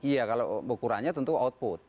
iya kalau ukurannya tentu output